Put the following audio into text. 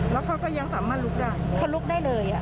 แล้วเขาก็ยังสามารถลุกได้เขาลุกได้เลย